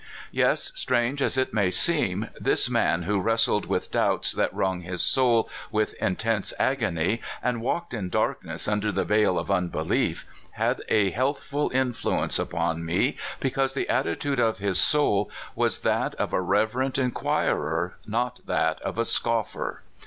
Yes, strange as it may seem, this man who wres tled with doubts that wrung his soul with intense agony, and walked in darkness under the veil of unbelief, had a healthful influence upou me be cause the attitude of his soul was that of a rev erent inquirer, not that of a scoffer.